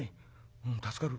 「うん助かる。